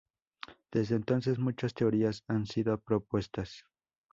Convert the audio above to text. Desde entonces muchas teorías han sido propuestas.